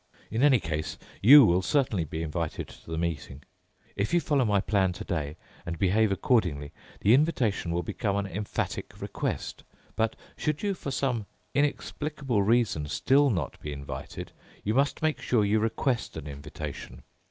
In any case, you will certainly be invited to the meeting. If you follow my plan today and behave accordingly, the invitation will become an emphatic request. But should you for some inexplicable reason still not be invited, you must make sure you request an invitation.